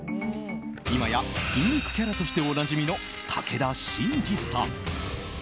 今や筋肉キャラとしておなじみの武田真治さん。